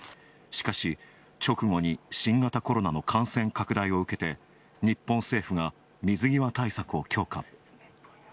しかし、直後に新型コロナの感染拡大を受けて日本政府が水際対策を強化。